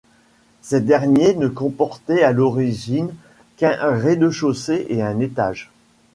Ces derniers ne comportaient à l'origine qu'un rez-de-chaussée et un étage.